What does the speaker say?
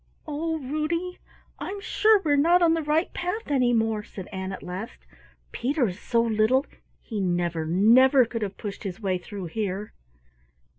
"Oh, Ruddy, I'm sure we're not on the right path any more," said Ann at last. "Peter is so little he never, never could have pushed his way through here!"